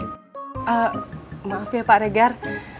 maaf ya pak regar